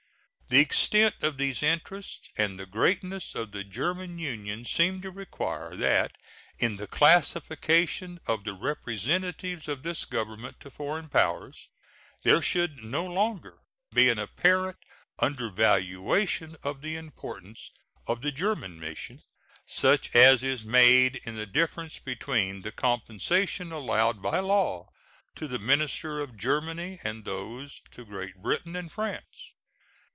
The extent of these interests and the greatness of the German Union seem to require that in the classification of the representatives of this Government to foreign powers there should no longer be an apparent undervaluation of the importance of the German mission, such as is made in the difference between the compensation allowed by law to the minister to Germany and those to Great Britain and France.